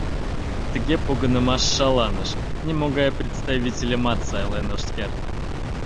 Тыге погынымаш шаланыш, нимогай представительымат сайлен ышт керт.